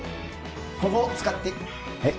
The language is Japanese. ここを使っていいえっ？